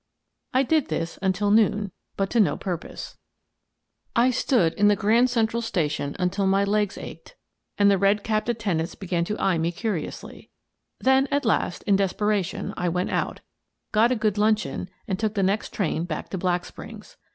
I did this until noon, but to no purpose. I stood 232 My Friend, the Thief 233 in the Grand Central Station until my legs ached and the red capped attendants began to eye me curi ously. Then at last, in desperation, I went out, got a good luncheon, and took the next train back to Black Springs.